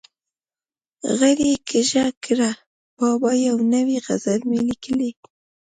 غړۍ یې کږه کړه: بابا یو نوی غزل مې لیکلی.